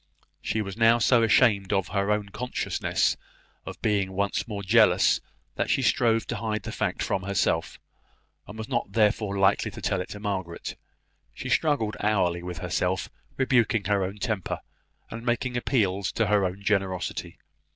She was now so ashamed of her own consciousness of being once more jealous, that she strove to hide the fact from herself; and was not therefore likely to tell it to Margaret. She struggled hourly with herself, rebuking her own temper, and making appeals to her own generosity.